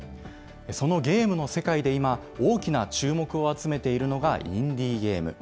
そのゲームの世界で今、大きな注目を集めているのが、インディーゲーム。